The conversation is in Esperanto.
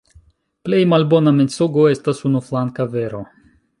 Plej malbona mensogo estas unuflanka vero.